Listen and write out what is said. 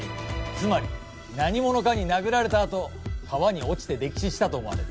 つまり何者かに殴られたあと川に落ちて溺死したと思われる。